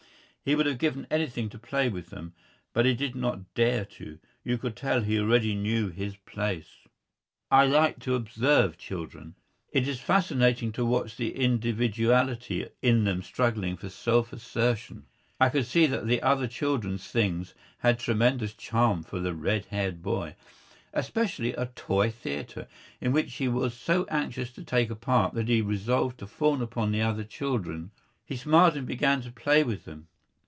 He would have given anything to play with them. But he did not dare to. You could tell he already knew his place. I like to observe children. It is fascinating to watch the individuality in them struggling for self assertion. I could see that the other children's things had tremendous charm for the red haired boy, especially a toy theatre, in which he was so anxious to take a part that he resolved to fawn upon the other children. He smiled and began to play with them.